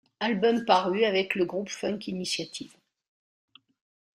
Albums parus avec le groupe Funk Initiative.